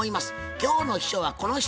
今日の秘書はこの人。